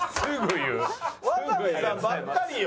渡部さんばっかりよ。